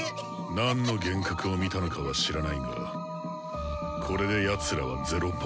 何の幻覚を見たのかは知らないがこれでやつらは０Ｐ。